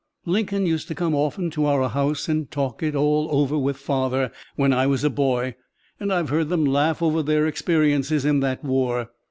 Lincoln used to come often to our house and talk it all over with father, when I was a boy, and I've heard them laugh over their experiences in that war.